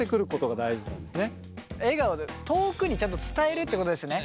笑顔で遠くにちゃんと伝えるってことですね。